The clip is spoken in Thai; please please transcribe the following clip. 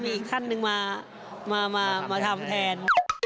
มีอีกท่านหนึ่งมาทำแทน